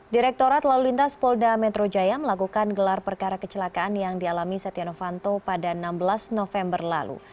direktorat lalu lintas polda metro jaya melakukan gelar perkara kecelakaan yang dialami setia novanto pada enam belas november lalu